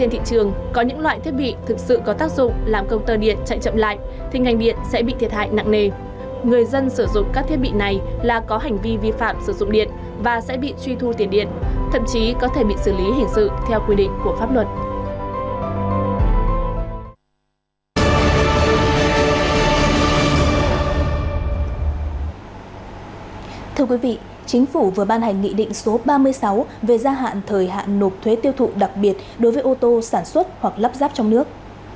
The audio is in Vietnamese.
nghị định nêu rõ gia hạn thời hạn nộp thuế đối với số thuế tiêu thụ đặc biệt đối với ô tô sản xuất hoặc lắp ráp trong nước